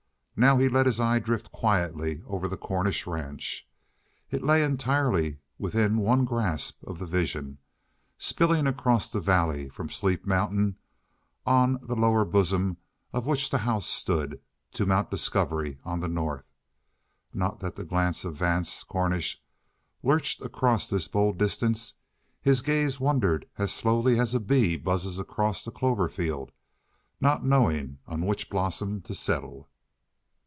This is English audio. Now he let his eye drift quietly over the Cornish ranch. It lay entirely within one grasp of the vision, spilling across the valley from Sleep Mountain, on the lower bosom of which the house stood, to Mount Discovery on the north. Not that the glance of Vance Cornish lurched across this bold distance. His gaze wandered as slowly as a free buzzes across a clover field, not knowing on which blossom to settle.